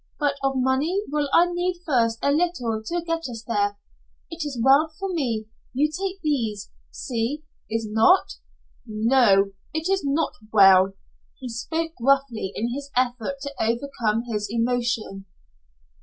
But of money will I need first a little to get us there. It is well for me, you take these see? Is not?" "No, it is not well." He spoke gruffly in his effort to overcome his emotion.